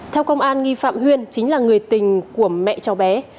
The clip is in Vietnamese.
theo công an nghi phạm huyên chính là người tình của mẹ cháu bé